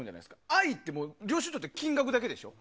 愛って領収書って金額だけでしょ。